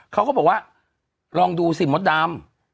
เขาก็บอกว่าลองดูสิมดดำ